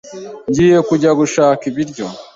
Ngiye kujya gushaka ibiryo.